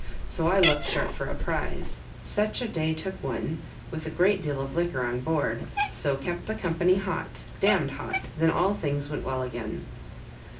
So I looked sharp for a prize; such a day took one, with a great deal of liquor on board; so kept the company hot, d d hot, then all things went well again."